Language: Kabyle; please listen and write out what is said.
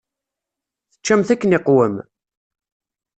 Teččamt akken iqwem?